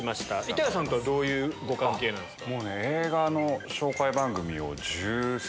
板谷さんとはどういうご関係なんですか？